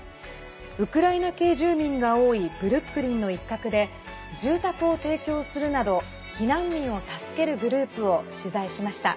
ウクライナ系住民が多いブルックリンの一角で住宅を提供するなど避難民を助けるグループを取材しました。